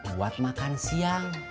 buat makan siang